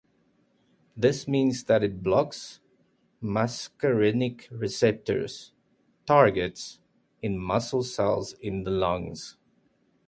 This means that it blocks muscarinic receptors (targets) in muscle cells in the lungs.